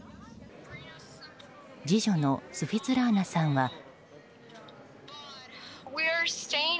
次女のスフィツラーナさんは。